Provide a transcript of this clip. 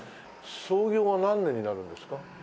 創業は何年になるんですか？